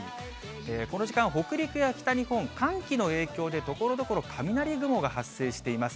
この時間、北陸や北日本、寒気の影響で、ところどころ雷雲が発生しています。